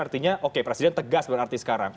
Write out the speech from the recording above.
artinya oke presiden tegas berarti sekarang